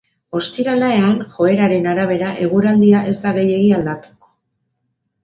Ostiralean, joeraren arabera, eguraldia ez da gehiegi aldatuko.